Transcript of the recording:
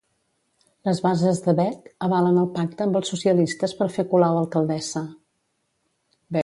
Les bases de BeC avalen el pacte amb els socialistes per fer Colau alcaldessa.